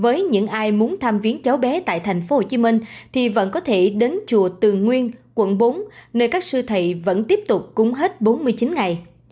với những ai muốn thăm viến cháu bé tại tp hcm thì vẫn có thể đến chùa tường nguyên quận bốn nơi các siêu thị vẫn tiếp tục cúng hết bốn mươi chín ngày